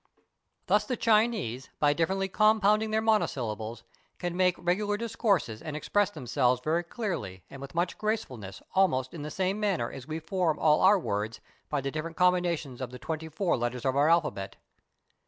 Thus the Chinese by differently compounding their monosyllables can make regular discourses and express themselves very clearly and with much gracefulness almost in the same manner as we form all our words by the different combinations of the twenty four letters of our alphabet.